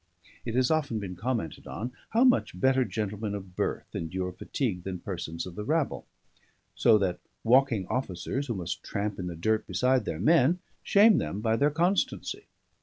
It has often been commented on, how much better gentlemen of birth endure fatigue than persons of the rabble; so that walking officers, who must tramp in the dirt beside their men, shame them by their constancy.